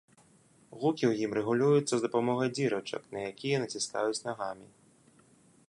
Гукі ў ім рэгулююцца з дапамогай дзірачак, на якія націскаюць нагамі.